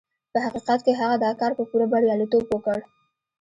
په حقيقت کې هغه دا کار په پوره برياليتوب وکړ.